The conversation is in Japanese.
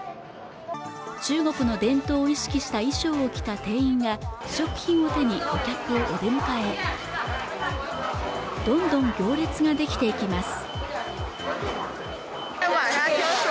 中国の伝統を意識した衣装を着た店員が試食品を手にお客を出迎えどんどん行列ができていきます